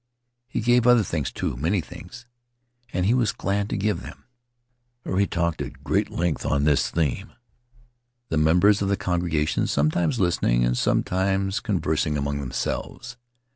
... He gave other things, too, many things, and he was glad to give them." Huirai talked at great length on this theme, the members of the congregation sometimes listening and sometimes conversing among themselves.